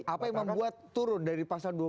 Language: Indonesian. apa yang membuat turun dari pasal dua belas